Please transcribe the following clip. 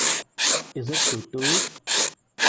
Is it good to eat?